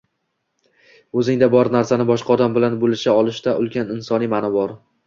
O‘zingda bor narsani boshqa odam bilan bo‘lisha olishda ulkan insoniy maʼno bor.